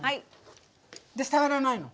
で触らないの？